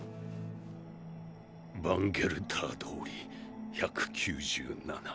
ヴァン＝ゲルダー通り１９７。